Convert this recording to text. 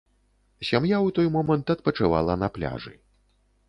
Сям'я ў той момант адпачывала на пляжы.